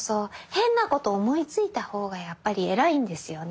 変なことを思いついた方がやっぱり偉いんですよね。